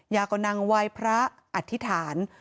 ยาก็นั่งไหว้พระอธิษฐาน